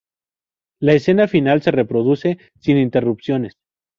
La escena final se reproduce, sin interrupciones.